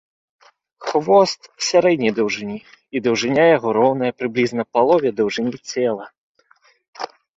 Хвост сярэдняй даўжыні, і даўжыня яго роўная прыблізна палове даўжыні цела.